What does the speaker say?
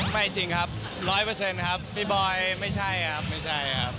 ไม่จริงครับร้อยเปอร์เซ็นต์ครับพี่บอยไม่ใช่ครับไม่ใช่ครับ